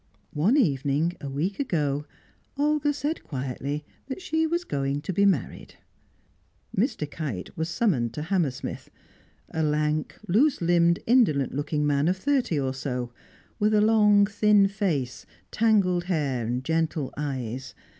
One evening (a week ago) Olga said quietly that she was going to be married. Mr. Kite was summoned to Hammersmith. A lank, loose limbed, indolent looking man of thirty or so, with a long, thin face, tangled hair, gentle eyes.